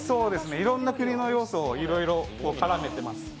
いろんな国の要素をいろいろ絡めています。